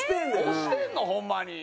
押してんの？ホンマに。